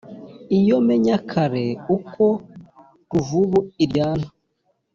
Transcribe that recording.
iyo menya kare uko ruvubu iryana